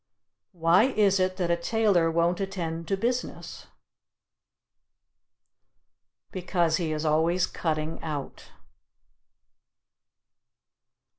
Why is it that a tailor won't attend to business? Because he is always cutting out.